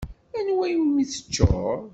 Anwa iwimi teččur?